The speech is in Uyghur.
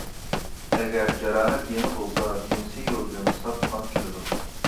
ئەگەر جاراھەت يېڭى بولسا جىنسىي يولدىن ساپ قان كېلىدۇ.